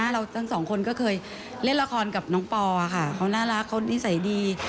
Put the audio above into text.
เราทั้งสองคนก็เคยเล่นละครกับน้องปอค่ะเขาน่ารักเขานิสัยดี